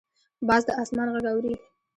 باز د اسمان غږ اوري